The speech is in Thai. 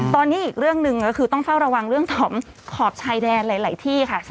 ตอนนี้อีกเรื่องหนึ่งก็คือต้องเฝ้าระวังเรื่องถอมขอบชายแดนหลายที่ค่ะ